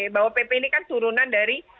bahwa pp ini kan turunan dari